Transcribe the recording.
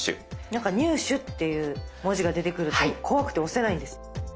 なんか入手っていう文字が出てくると怖くて押せないんです。